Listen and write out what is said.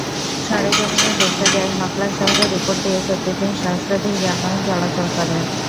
সরেজমিনে দেখা যায়, নকলা শহরের ওপর দিয়ে প্রতিদিন সহস্রাধিক যানবাহন চলাচল করে।